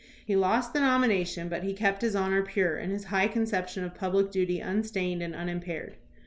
He lost the nomination, but he kept his honor pure and his high conception of public duty un stained and unimpaired.